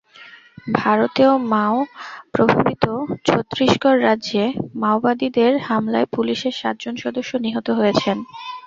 ভারতের মাও প্রভাবিত ছত্তিশগড় রাজ্যে মাওবাদীদের হামলায় পুলিশের সাতজন সদস্য নিহত হয়েছেন।